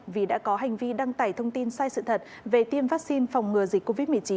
vì đã có hành vi đăng tải thông tin sai sự thật về tiêm vaccine phòng ngừa dịch covid một mươi chín